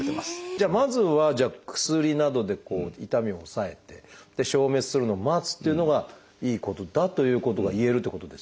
じゃあまずは薬などで痛みを抑えて消滅するのを待つっていうのがいいことだということがいえるということですか？